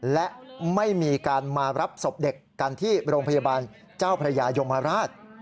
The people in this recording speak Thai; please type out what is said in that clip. และไม่มีการมารับศพเด็กกันที่โรงพยาบาลเจ้าพระยายมราช